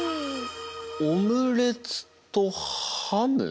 オムレツとハム？